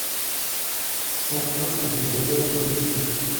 cent un avenue Robert Leuthreau